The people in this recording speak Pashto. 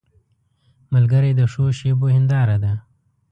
ملګری د ښو شېبو هنداره ده